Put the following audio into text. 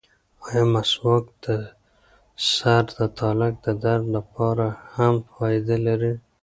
ایا مسواک د سر د تالک د درد لپاره هم فایده لري؟